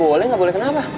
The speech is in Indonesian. kok ga boleh ga boleh kenapa